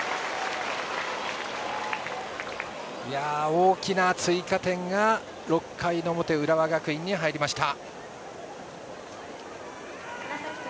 大きな追加点が６回の表浦和学院に入りました。